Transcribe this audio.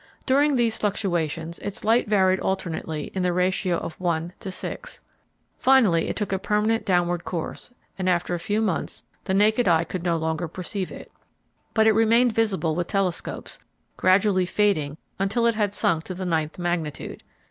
During these fluctuations its light varied alternately in the ratio of one to six. Finally it took a permanent downward course, and after a few months the naked eye could no longer perceive it; but it remained visible with telescopes, gradually fading until it had sunk to the ninth magnitude.